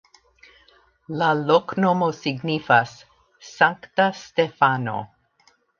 La loknomo signifas: Sankta Stefano.